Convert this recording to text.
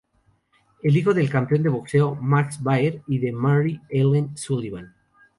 El hijo del campeón de boxeo Max Baer y de Mary Ellen Sullivan.